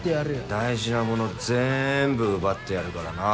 大事なもの全部奪ってやるからな。